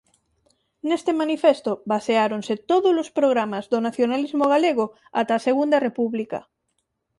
Neste Manifesto baseáronse tódolos programas do nacionalismo galego ata a Segunda República.